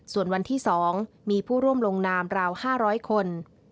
ส่วนวันที่๒มีผู้ร่วมลงนามราว๕๐๐คน